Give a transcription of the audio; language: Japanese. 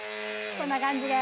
こんな感じで。